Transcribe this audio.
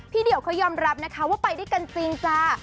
เดี่ยวเขายอมรับนะคะว่าไปด้วยกันจริงจ้า